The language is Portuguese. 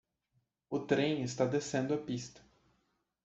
O trem está descendo a pista.